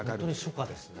初夏ですね。